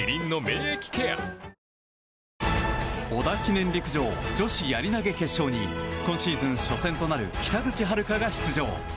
織田記念陸上女子やり投げ決勝に今季初戦となる北口榛花が出場。